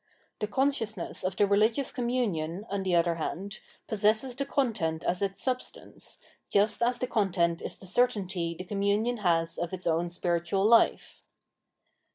The consciousness of the religious communion, on the other hand, possesses the content as its substance, just as the content is the certainty the communion has of its own spiritual hfe.